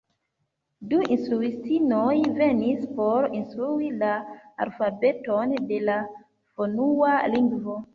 Du instruistinoj venis por instrui la alfabeton de la fonua lingvo.